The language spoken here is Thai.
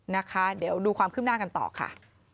นะคะเดี๋ยวดูความคืบหน้ากันต่อค่ะ